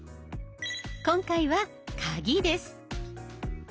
今回は「カギ」です。